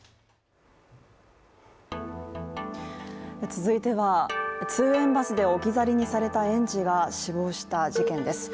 続いては、通園バスで置き去りにされた園児が死亡した事件です。